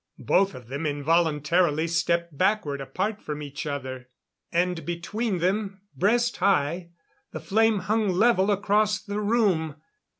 Both of them involuntarily stepped backward, apart from each other. And between them, breast high, the flame hung level across the room.